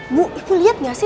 bu itu liat gak sih